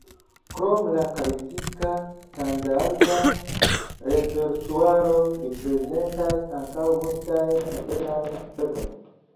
Krom la klasika standarda repertuaro, li prezentas ankaŭ multajn modernajn verkojn.